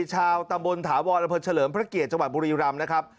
เจ้าตำบลถาวรรพเฉลิมพระเกียร์จังหวัดบุรีรำนะครับ